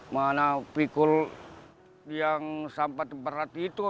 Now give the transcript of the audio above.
mana pikul yang sampah berat itu